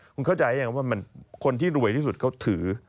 คุณเข้าใจหรือยังว่าคนที่รวยที่สุดเขาถือ